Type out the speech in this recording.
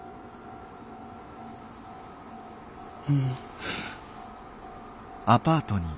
うん。